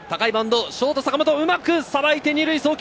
ショート・坂本、うまくさばいて、２塁送球。